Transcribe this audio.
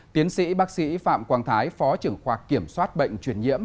tiến sĩ bác sĩ phạm quang thái phó trưởng khoa kiểm soát bệnh truyền nhiễm